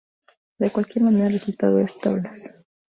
De cualquier manera, el resultado es tablas.